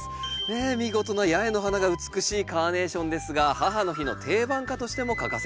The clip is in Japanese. ねえ見事な八重の花が美しいカーネーションですが母の日の定番花としても欠かせませんよね。